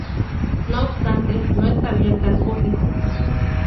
No obstante, no está abierta al público.